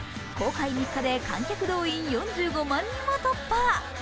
公開３日で観客動員４５万人を突破。